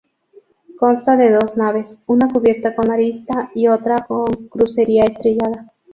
Consta de dos naves, una cubierta con arista y otra con crucería estrellada.